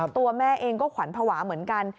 ตัวแม่เองก็ขวัญภาวะเหมือนกัน